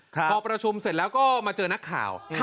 พอประชุมเสร็จแล้วก็มาเจอนักข่าว